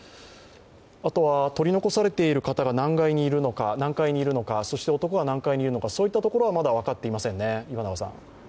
あとは取り残されている方が何階にいるのか、そして男が何階にいるのか、そういったところはまだ分かっていませんね。